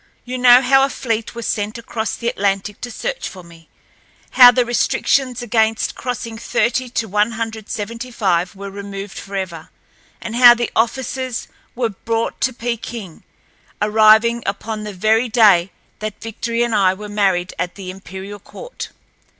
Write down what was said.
You know how a fleet was sent across the Atlantic to search for me, how the restrictions against crossing thirty to one hundred seventy five were removed forever, and how the officers were brought to Peking, arriving upon the very day that Victory and I were married at the imperial court.